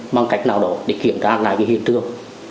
bằng cách nào đó để kiểm tra lại cái hiện trường